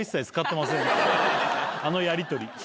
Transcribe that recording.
あのやりとり。